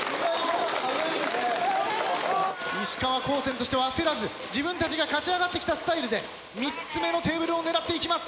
石川高専としては焦らず自分たちが勝ち上がってきたスタイルで３つ目のテーブルを狙っていきます。